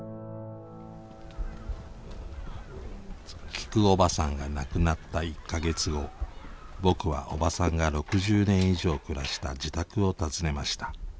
きくおばさんが亡くなった１か月後僕はおばさんが６０年以上暮らした自宅を訪ねました。